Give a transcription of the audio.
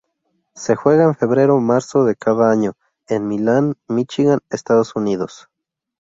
Se juega en febrero-marzo de cada año en Midland, Michigan, Estados Unidos.